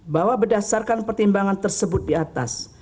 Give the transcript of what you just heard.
bahwa berdasarkan pertimbangan tersebut di atas